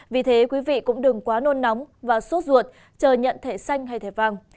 vì thế quý vị cũng đừng quá nôn nóng và sốt ruột chờ nhận thể xanh hay thể vàng